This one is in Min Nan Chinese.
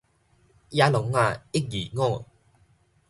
野狼仔一二五